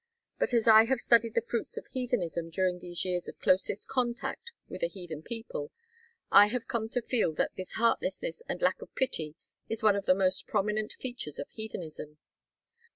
But as I have studied the fruits of heathenism during these years of closest contact with a heathen people I have come to feel that this heartlessness and lack of pity is one of the most prominent features of heathenism.